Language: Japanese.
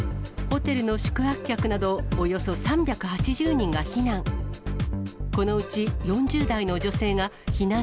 ホテルの宿泊客など、およそ３８０人が避難。